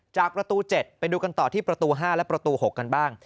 จากประตู๗ไปดูกันต่อที่ประตู๕และประตู๖กันบ้าง